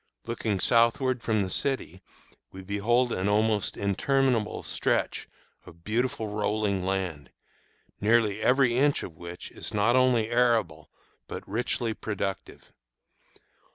Looking southward from the city we behold an almost interminable stretch of beautiful rolling land, nearly every inch of which is not only arable but richly productive.